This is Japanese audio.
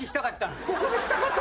ここでしたかった。